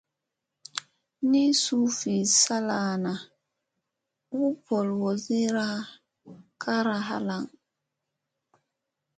Ni suu vi salana, u bolow iirizira kayra halaŋ.